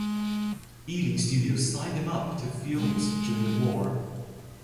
Ealing Studios signed him up to films during the war.